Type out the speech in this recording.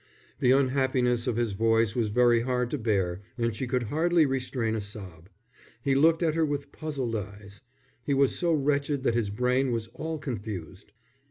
The unhappiness of his voice was very hard to bear and she could hardly restrain a sob. He looked at her with puzzled eyes. He was so wretched that his brain was all confused.